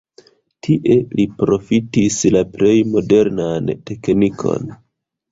Tie li profitis la plej modernan teknikon.